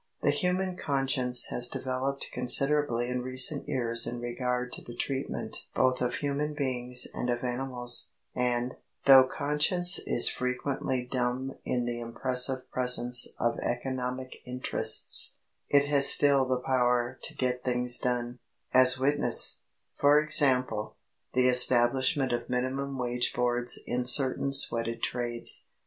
The human conscience has developed considerably in recent years in regard to the treatment both of human beings and of animals, and, though conscience is frequently dumb in the impressive presence of economic interests, it has still the power to get things done, as witness, for example, the establishment of minimum wage boards in certain sweated trades.